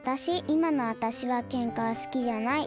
いまのわたしはケンカすきじゃない。